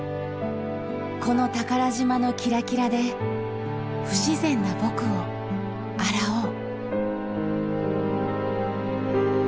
この宝島のキラキラで不自然な僕を洗おう。